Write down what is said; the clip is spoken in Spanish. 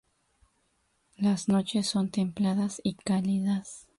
Las noches son templadas y cálidas.